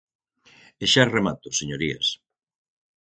E xa remato, señorías.